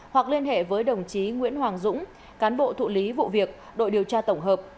hoặc liên hệ với đồng chí nguyễn hoàng dũng cán bộ thụ lý vụ việc đội điều tra tổng hợp